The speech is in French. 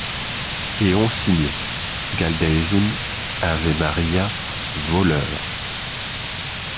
Et ont signé. — Galdeazun. — Ave-Maria, voleur.